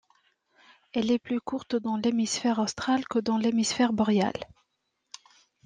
Elle est plus courte dans l’hémisphère austral que dans l’hémisphère boréal.